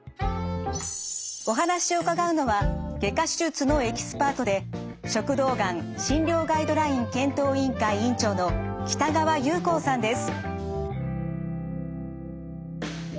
お話を伺うのは外科手術のエキスパートで食道癌診療ガイドライン検討委員会委員長の北川雄光さんです。